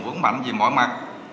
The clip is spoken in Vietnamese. vững mạnh về mọi mặt